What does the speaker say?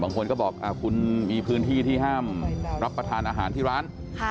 บางคนก็บอกคุณมีพื้นที่ที่ห้ามรับประทานอาหารที่ร้าน